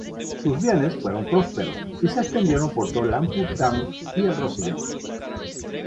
Su bienes fueron prósperos y se extendieron por todo el Ampurdán y el Rosellón.